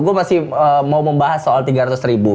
gue masih mau membahas soal tiga ratus ribu